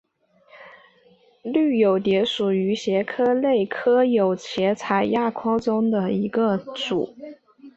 绿袖蝶属是蛱蝶科釉蛱蝶亚科中的一个属。